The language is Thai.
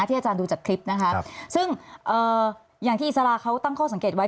อาจารย์ดูจากคลิปนะคะซึ่งอย่างที่อิสระเขาตั้งข้อสังเกตไว้